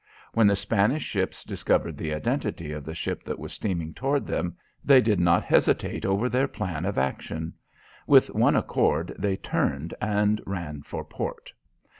When the Spanish ships discovered the identity of the ship that was steaming toward them, they did not hesitate over their plan of action. With one accord they turned and ran for port.